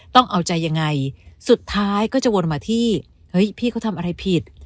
ต้องเอาใจยังไงสุดท้ายก็จะวนมาที่เฮ้ยพี่เขาทำอะไรผิด